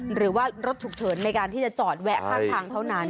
หรือว่ารถฉุกเฉินในการที่จะจอดแวะข้างทางเท่านั้น